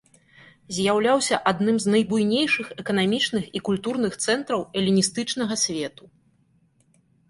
З'яўляўся адным з найбуйнейшых эканамічных і культурных цэнтраў эліністычнага свету.